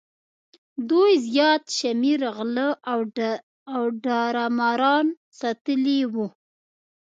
دوی زیات شمېر غله او داړه ماران ساتلي وو.